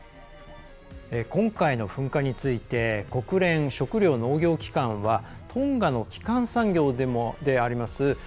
今回の噴火について国連食糧農業機関はトンガの基幹産業であります